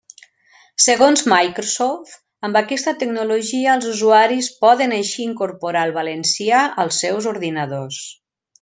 Segons Microsoft, amb aquesta tecnologia els usuaris poden així incorporar el valencià als seus ordinadors.